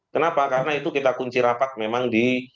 kenapa karena itu kita kunci rapat memang di